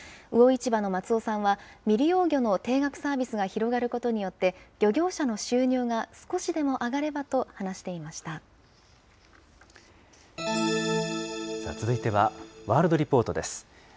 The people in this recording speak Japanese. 魚市場の松尾さんは、未利用魚の定額サービスが広がることによって、漁業者の収入が少しでも上が続いては、ワールドリポートです。